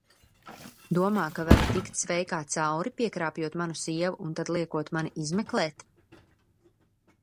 Domā, ka vari tikt sveikā cauri, piekrāpjot manu sievu un tad liekot mani izmeklēt?